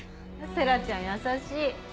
星来ちゃん優しい！